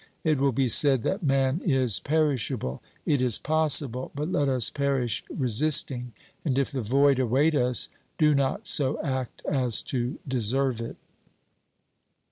It will be said that man is perishable. It is possible, but let us perish resisting, and if the void await us do not so act as to deserve it